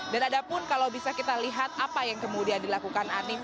dan adapun kalau bisa kita lihat apa yang kemudian dilakukan anies